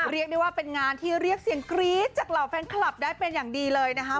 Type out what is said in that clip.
เรียกได้ว่าเป็นงานที่เรียกเสียงกรี๊ดจากเหล่าแฟนคลับได้เป็นอย่างดีเลยนะคะ